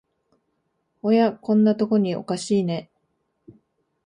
おや、こんなとこにおかしいね